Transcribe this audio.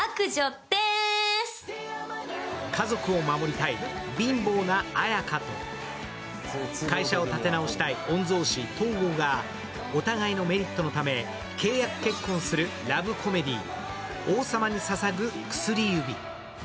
家族を守りたい貧乏な綾華と会社を立て直したい御曹司・東郷がお互いのメリットのため契約結婚するラブコメディー、「王様に捧ぐ薬指」。